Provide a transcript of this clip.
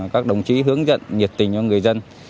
các đồng chí hướng dẫn nhiệt tình cho người dân